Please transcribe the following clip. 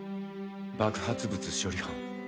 爆発物処理班。